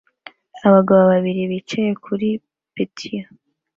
Abagabo babiri bicaye kuri patio